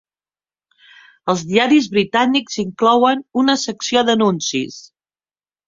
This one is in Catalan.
Els diaris britànics inclouen una secció d'anuncis.